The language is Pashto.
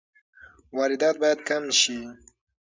واردات باید کم شي.